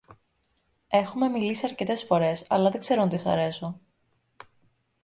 Έχουμε μιλήσει αρκετές φορές, αλλά δεν ξέρω αν της αρέσω.